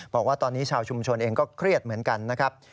บอกว่าตอนนี้ชาวชุมชนเองก็เครียดเหมือนกันนะครับ